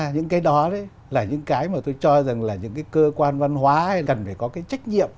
những cái đó là những cái mà tôi cho rằng là những cái cơ quan văn hóa cần phải có cái trách nhiệm